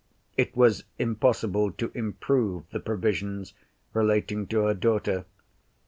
It was impossible to improve the provisions relating to her daughter.